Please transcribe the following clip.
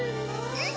うん！